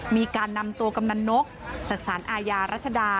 มีการนำตัวกำนันนกจากสารอาญารัชดา